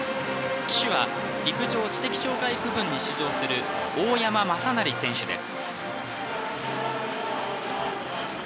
旗手は陸上・知的障害区分に出場する大山優成選手です。